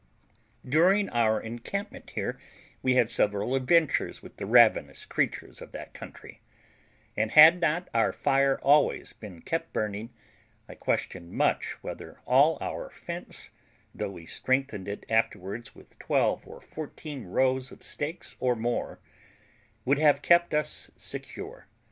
During our encampment here we had several adventures with the ravenous creatures of that country; and had not our fire been always kept burning, I question much whether all our fence, though we strengthened it afterwards with twelve or fourteen rows of stakes or more, would have kept us secure.